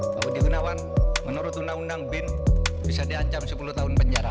pak budi gunawan menurut undang undang bin bisa diancam sepuluh tahun penjara